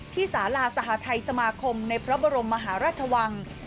สาราสหทัยสมาคมในพระบรมมหาราชวัง